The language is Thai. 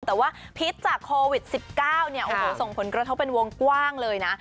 แต่ว่าพิษจากโควิด๑๙ส่งผลกระทบเป็นวงกว้างเลยนะ